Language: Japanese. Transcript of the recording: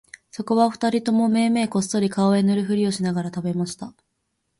それは二人ともめいめいこっそり顔へ塗るふりをしながら喰べました